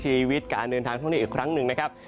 ชีวิตการเดินทางพวกนี้อีกครั้งหนึ่งนะครับ